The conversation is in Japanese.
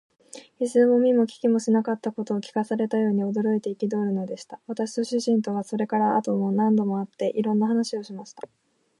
一度も見も聞きもしなかったことを聞かされたように、驚いて憤るのでした。私と主人とは、それから後も何度も会って、いろんな話をしました。